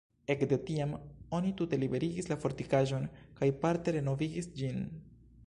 Ekde tiam oni tute liberigis la fortikaĵon kaj parte renovigis ĝin.